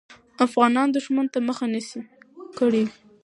افغانان دښمن ته مخه کړې وه.